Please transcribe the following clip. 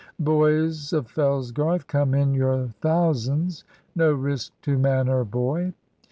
Boys of Fellsgarth Come in your thousands! No risk to man or boy.